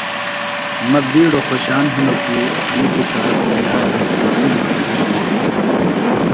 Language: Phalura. مہ بیڈوۡ خوشان ہنوۡ کیۡ انیۡ کتاب تیار بھے تُسی مخدُشی وے ہِنیۡ۔